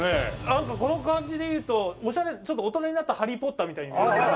なんかこの感じでいうとオシャレちょっと大人になったハリー・ポッターみたいに見えます。